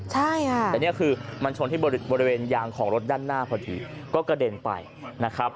ใช่ค่ะแต่นี่คือมันชนที่บริเวณยางของรถด้านหน้าพอดีก็กระเด็นไปนะครับ